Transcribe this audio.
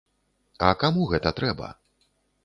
А каму гэта трэба?